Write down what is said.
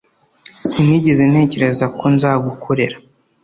Sinigeze ntekereza ko nzagukorera